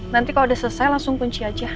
nanti kalau udah selesai langsung kunci aja